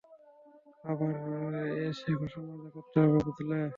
আবার এসে ঘষামাজা করতে হবে, বুঝলে?